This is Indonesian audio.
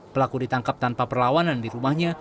pelaku ditangkap tanpa perlawanan di rumahnya